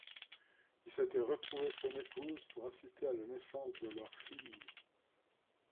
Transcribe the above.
Il souhaitait retrouver son épouse pour assister à la naissance de leur fille.